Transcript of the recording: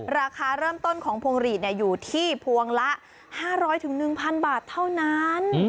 ราคาเริ่มต้นของพวงหลีดอยู่ที่พวงละ๕๐๐๑๐๐บาทเท่านั้น